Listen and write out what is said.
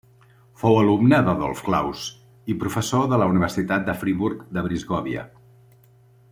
Fou alumne d'Adolf Claus i professor de la Universitat de Friburg de Brisgòvia.